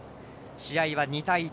試合は２対１。